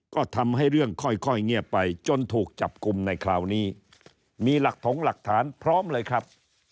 ก็ทำให้เรื่องค่อยเงียบไปจนถูกจับกลุ่มในคราวนี้มีหลักถงหลักฐานพร้อมเลยครับ